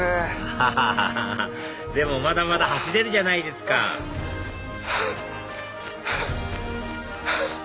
アハハハでもまだまだ走れるじゃないですかハァハァハァ。